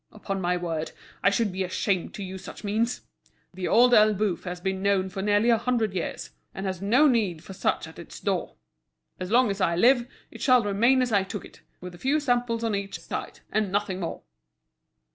Upon my word, I should be ashamed to use such means! The Old Elbeuf has been known for nearly a hundred years, and has no need for such at its door. As long as I live, it shall remain as I took it, with a few samples on each side, and nothing more!"